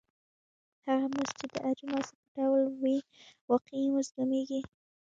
هغه مزد چې د اجناسو په ډول وي واقعي مزد نومېږي